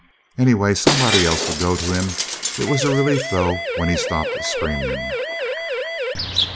Anyway, somebody else would go to him. It was a relief, though, when he stopped screaming.